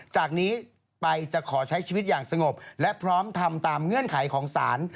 จากนี้ไปจะขอใช้ชีวิตอย่างสงบและพร้อมทำตามเงื่อนไขของศาล